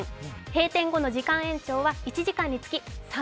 閉店後の時間延長は１時間につき３０００円。